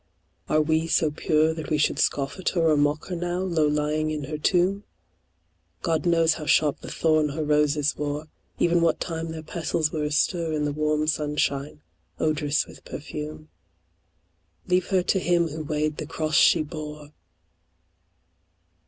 Are we so pure that we should scoff at her, Or mock her now, low lying in her tomb ? God knows how sharp the thorn her roses wore, Even what time their petals were astir In the warm sunshine, odorous with perfume. Leave her to Him who weighed the cross she bore